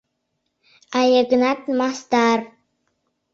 А Йыгнат — мастар.